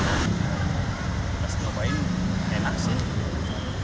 masih nyobain enak sih